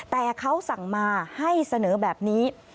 แต่เขาสั่งมาให้เสนอแบบนี้